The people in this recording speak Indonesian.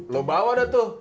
lo bawa deh tuh